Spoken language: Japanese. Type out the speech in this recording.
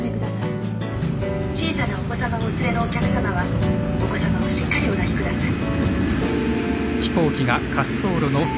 小さなお子さまをお連れのお客さまはお子さまをしっかりお抱きください。